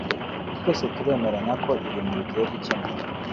“Twese turemeranya ko ibintu bigiye gukemuka